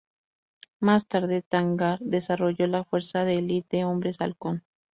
Más tarde, Thanagar desarrolló la "Fuerza de Elite de Hombres Halcón".